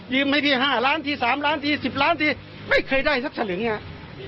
ให้พี่๕ล้านที๓ล้านที๑๐ล้านทีไม่เคยได้สักสลึงไง